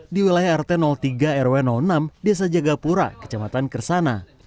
di wilayah rt tiga rw enam desa jagapura kecamatan kersana